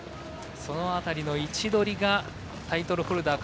その辺りの位置取りがタイトルホルダー